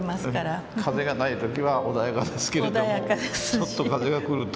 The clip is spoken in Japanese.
ただ風がない時は穏やかですけれどもちょっと風が来ると。